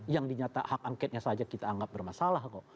yang dinyatakan hak angketnya saja kita anggap bermasalah kok